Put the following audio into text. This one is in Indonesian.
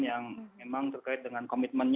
yang memang terkait dengan komitmennya